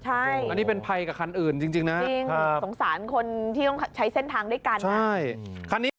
อันนี้เป็นภัยกับคันอื่นจริงนะสงสารคนที่ต้องใช้เส้นทางด้วยกัน